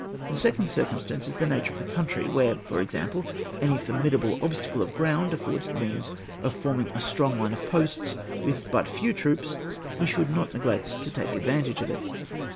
The second circumstance is the nature of the country ; where, for example, any formidable obstacle of ground affords the means of forming a strong Une of posts with but few troops, we should not neglect to take advantage of it.